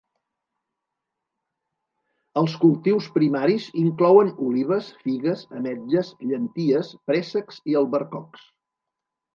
Els cultius primaris inclouen olives, figues, ametlles, llenties, préssecs i albercocs.